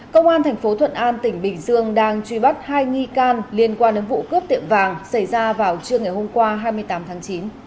công an thành phố thuận an tỉnh bình dương đang truy bắt hai nghi can liên quan đến vụ cướp tiệm vàng xảy ra vào trưa ngày hôm qua hai mươi tám tháng chín